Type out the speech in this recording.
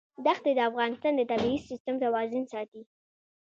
دښتې د افغانستان د طبعي سیسټم توازن ساتي.